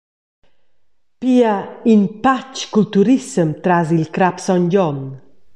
Pia, in patg cul turissem tras il Crap Sogn Gion.